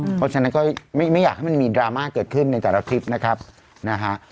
เพราะฉะนั้นก็ไม่อยากให้มันมีดราม่าเกิดขึ้นในแต่ละคลิปนะครับนะฮะ